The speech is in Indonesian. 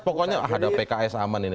pokoknya ada pks aman ini